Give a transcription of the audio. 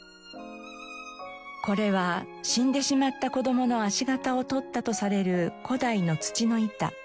これは死んでしまった子供の足形を取ったとされる古代の土の板。